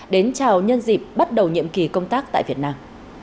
đến chào nhân dịp bắt đầu nhiệm kỳ công tác tại việt nam